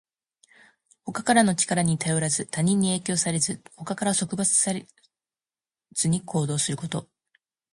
他からの力に頼らず、他人に影響されず、他から束縛されずに行動すること。